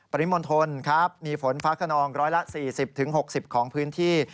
ปริมณฑลครับมีฝนฟ้าขนอง๑๔๐๖๐ของพื้นที่